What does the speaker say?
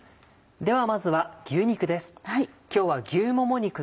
ではまずは牛肉です。